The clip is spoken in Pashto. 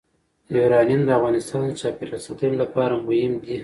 یورانیم د افغانستان د چاپیریال ساتنې لپاره مهم دي.